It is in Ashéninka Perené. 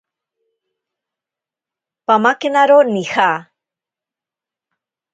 Pamakenaro nija.